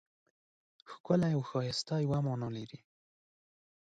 ښکلی او ښایسته یوه مانا لري.